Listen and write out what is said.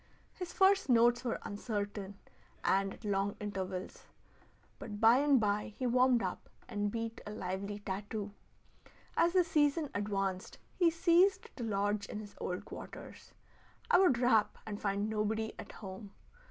His first notes were uncertain and at long intervals, but by and by he warmed up and beat a lively tattoo. As the season advanced he ceased to lodge in his old quarters. I would rap and find nobody at home.